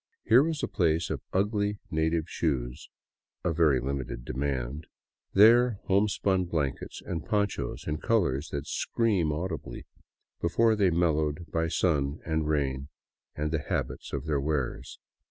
Here was a pile of ugly native shoes — of very limited demand — there, homespun blankets and ponchos in colors that scream audibly, be fore they mellowed by sun and rain and the habits of their wearers.